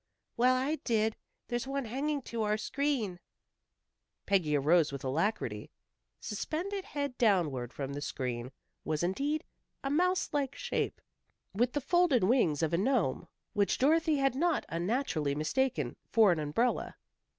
"Well, I did. There's one hanging to our screen." Peggy arose with alacrity. Suspended head downward from the screen, was indeed a mouse like shape, with the folded wings of a gnome, which Dorothy had not unnaturally mistaken for an umbrella.